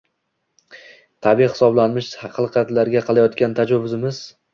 – tabiiy hisoblanmish hilqatlarga qilayotgan tajovuzimiz.